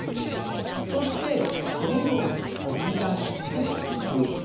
そしてどんどん飛び出していく。